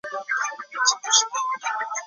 马来亚经济在二次大战结束后陷于困境。